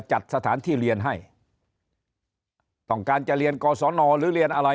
จัดสถานที่เรียนให้ต้องการจะเรียนกศนหรือเรียนอะไร